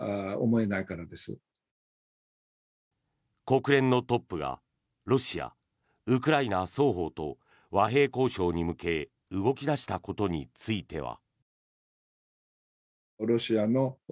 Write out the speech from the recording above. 国連のトップがロシア、ウクライナ双方と和平交渉に向け動き出したことについては。